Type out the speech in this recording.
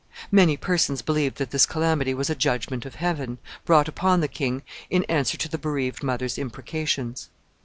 Many persons believed that this calamity was a judgment of heaven, brought upon the king in answer to the bereaved mother's imprecations.